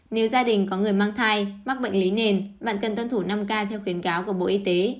nếu gia đình có người mang thai mắc bệnh lý nền bạn cần tuân thủ năm k theo khuyến cáo của bộ y tế